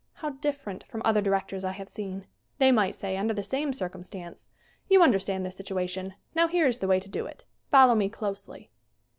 How different from other directors I have seen. They might say under the same circumstances : "You understand this situation. Now here is the way to do it. Follow me closelly."